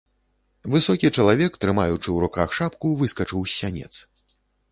Высокі чалавек, трымаючы ў руках шапку, выскачыў з сянец.